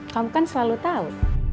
kamu kan selalu tahu